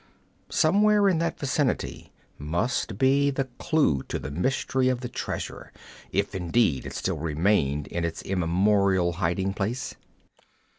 Somewhere in that vicinity must be the clue to the mystery of the treasure, if indeed it still remained in its immemorial hiding place.